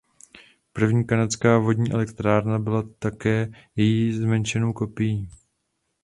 První kanadská vodní elektrárna byla také její zmenšenou kopií.